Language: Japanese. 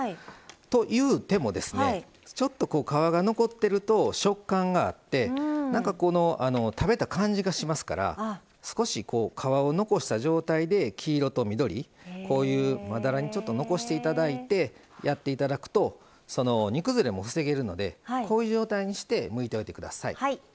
というてもちょっと皮が残ってると食感があって食べた感じがしますから少し皮を残した状態で黄色と緑まだらに残していただいてやっていただくと煮崩れも防げるのでこういう状態にしてむいておいてください。